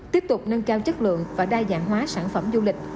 tiếp tục nâng cao chất lượng và đa dạng hóa sản phẩm du lịch